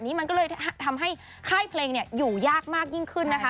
นี่มันก็เลยทำให้ค่ายเพลงอยู่ยากมากยิ่งขึ้นนะคะ